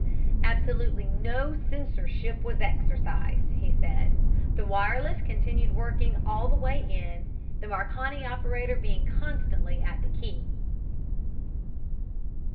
Absolutely no censorship was exercised, he said. The wire less continued working all the way in, the Marconi operator being constantly at the key.